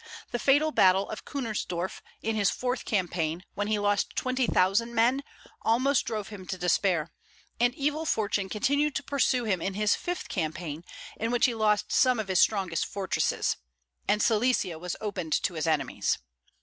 The fatal battle of Kunnersdorf, in his fourth campaign, when he lost twenty thousand men, almost drove him to despair; and evil fortune continued to pursue him in his fifth campaign, in which he lost some of his strongest fortresses, and Silesia was opened to his enemies.